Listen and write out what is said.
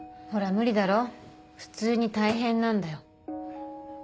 ほら無理だろ普通に大変なんだよ。